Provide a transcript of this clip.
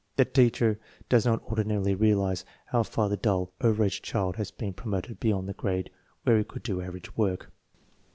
The teacher does not ordinarily realize how far the dull over age child has been promoted beyond the grade where he could do average work.